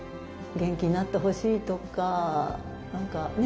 元気になってほしいとか何かね